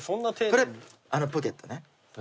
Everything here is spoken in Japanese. これポケットね。